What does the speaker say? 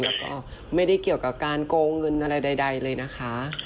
แล้วก็ไม่ได้เกี่ยวกับการโกงเงินอะไรใดเลยนะคะ